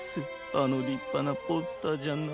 あのりっぱなポスターじゃなきゃ。